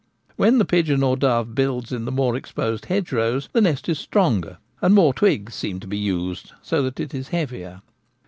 When the pigeon or dove builds in the more exposed hedge rows the nest is stronger, and more twigs seem to be used, so that it is heavier.